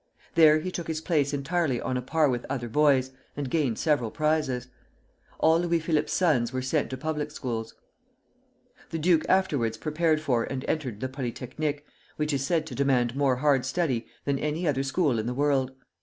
There he took his place entirely on a par with other boys, and gained several prizes. All Louis Philippe's sons were sent to public schools. The duke afterwards prepared for and entered the Polytechnic, which is said to demand more hard study than any other school in the world.